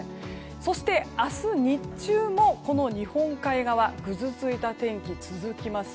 そして明日日中もこの日本海側ぐずついた天気、続きます。